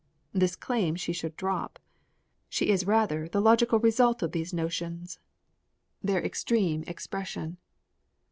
This claim she should drop. She is rather the logical result of these notions, their extreme expression.